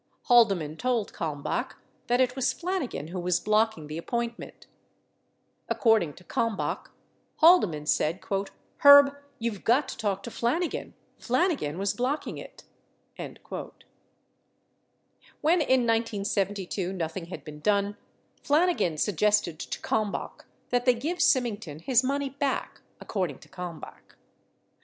Haldeman told Kalmbach that it was Flanigan who was blocking the appointment. According to Kalmbach, Haldeman said, "Herb, you've got to talk to Flanigan. Flanigan was blocking it." 6 When in 1972 nothing had been done, Flanigan suggested to Kalm bach that they give Symington his money back, according to Kalm bach.